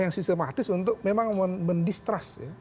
yang sistematis untuk memang mendistrust